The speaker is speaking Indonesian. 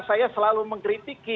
saya selalu mengkritiki